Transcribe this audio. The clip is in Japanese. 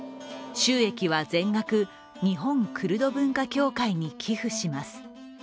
収益は全額、日本クルド文化協会に寄付します。